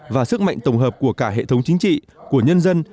và sức mạnh tổng hợp của cả hệ thống chính trị của nhân dân